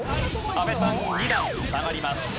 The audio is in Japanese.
阿部さん２段下がります。